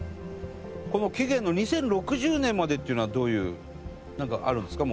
この期限の２０６０年までっていうのはどういうなんかあるんですか？